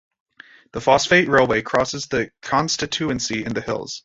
The phosphate railway crosses the constituency in the hills.